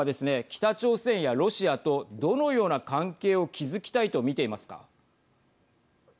北朝鮮やロシアとどのような関係を築きたいと見ていますか。